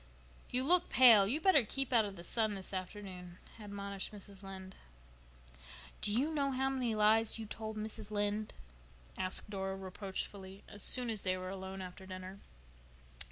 "You look pale. You'd better keep out of the sun this afternoon," admonished Mrs. Lynde. "Do you know how many lies you told Mrs. Lynde?" asked Dora reproachfully, as soon as they were alone after dinner.